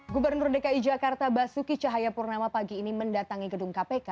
gubernur dki jakarta basuki cahayapurnama pagi ini mendatangi gedung kpk